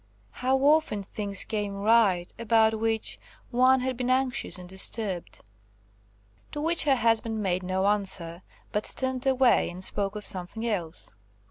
"How often things came right, about which one had been anxious and disturbed." To which her husband made no answer, but turned away and spoke of something else.